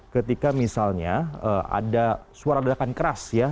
ketika misalnya ada suara ledakan keras ya